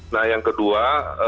nah yang kedua